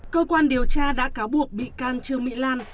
cơ quan điều tra đã cáo buộc bị can trương mỹ lan